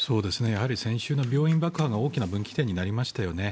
先週の病院爆破が大きな分岐点になりましたよね。